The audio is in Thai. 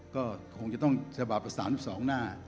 ก็คงจะต้องฉบับประสานสองหน้า